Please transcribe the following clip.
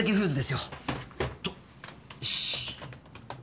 よし。